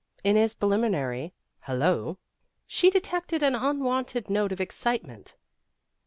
In his preliminary "Hello" she detected an unwonted note of excitement.